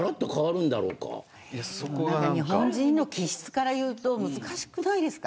本当に日本人の気質からいうと難しくないですか。